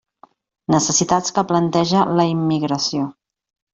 Necessitats que planteja la immigració.